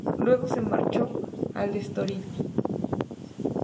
Luego se marchó al Estoril.